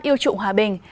yêu trụng hòa bình